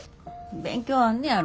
勉強あんねやろ。